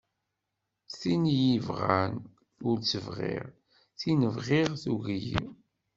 Tin i y-ibɣan ur tt-bɣiɣ, tin bɣiɣ tugi-yi.